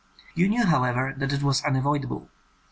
You knew, however, that it was unavoidable.